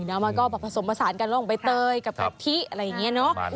และมันก็ผสมผสานกันร่งไว้เตยกับกะทิอะไรเงี้ยเนาะ